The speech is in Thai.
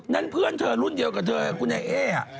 นั่นเพื่อนเธอรุ่นเดียวกับเธอคุณไอ้เอ๊